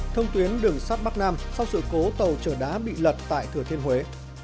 thông tuyến đường sắt bắc nam sau sự cố tàu trở đá bị lật tại thừa thiên huế